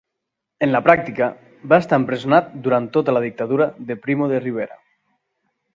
En la pràctica, va estar empresonat durant tota la dictadura de Primo de Rivera.